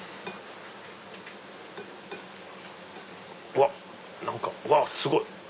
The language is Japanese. うわっ何かうわすごい！